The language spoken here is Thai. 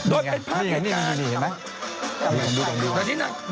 โดยเป็นภาพแห่งการ